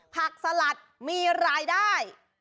สลัดมีรายได้